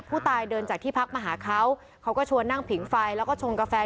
ผู้ตายเดินจากที่พักมาหาเขาเขาก็ชวนนั่งผิงไฟแล้วก็ชงกาแฟ